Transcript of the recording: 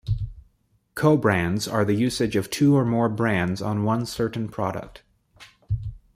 Cobrands are the usage of two or more brands on one certain product.